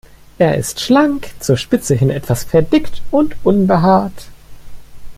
Er ist schlank, zur Spitze hin etwas verdickt und unbehaart.